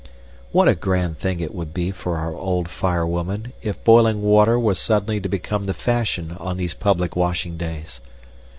What a grand thing it would be for our old fire woman if boiling water were suddenly to become the fashion on these public washing days!